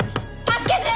助けて！